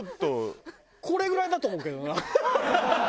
これぐらいだと思うけどな。